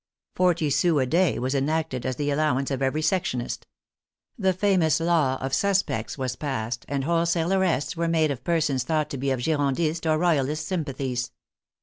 Forty sous a day was enacted as the allow ance of every Sectionist. The famous Law of Suspects was passed, and wholesale arrests were made of persons thought to be of Girondist or Royalist sympathies.